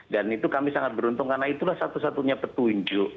dan itu kami sangat beruntung karena itulah satu satunya petunjuk